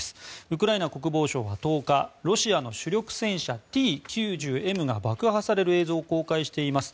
ウクライナ国防省は１０日ロシアの主力戦車Ｔ９０Ｍが爆破される映像を公開しています。